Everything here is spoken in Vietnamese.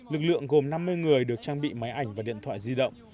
lực lượng gồm năm mươi người được trang bị máy ảnh và điện thoại di động